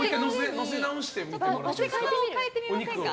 載せ方を変えてみませんか。